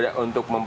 ini untuk apa